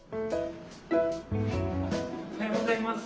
おはようございます。